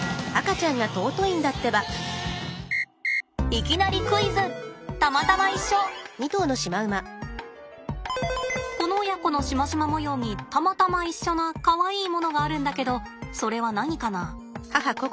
いきなりこの親子のしましま模様にたまたま一緒なかわいいものがあるんだけどそれは何かな？